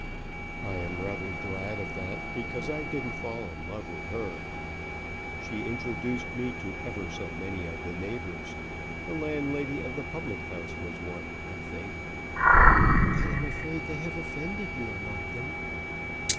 "I am rather glad of that, because I didn't fall in love with her. She introduced me to ever so many of the neighbours. The landlady of the public house was one, I think." "I am afraid they have offended you among them."